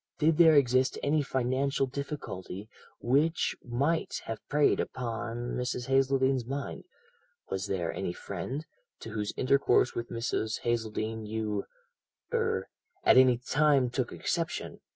Did there exist any financial difficulty which might have preyed upon Mrs. Hazeldene's mind; was there any friend to whose intercourse with Mrs. Hazeldene you er at any time took exception?